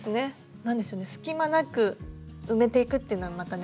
何でしょうね隙間なく埋めていくっていうのはまたね